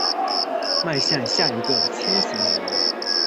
迈向下一个千禧年